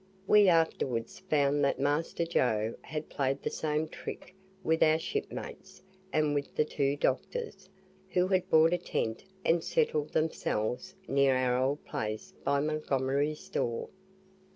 We afterwards found that Master Joe had played the same trick with our shipmates and with the two doctors, who had bought a tent and settled themselves near our old place by Montgomery's store.